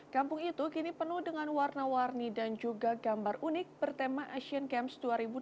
kampung itu kini penuh dengan warna warni dan juga gambar unik bertema asian games dua ribu delapan belas